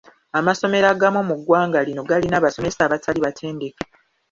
Amasomero agamu mu ggwanga lino galina abasomesa abatali batendeke.